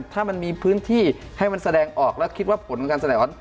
ถ้ามันมีพื้นที่ให้มันแสดงออกแล้วคิดว่าผลของการแสดงว่า